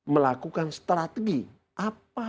melakukan strategi apa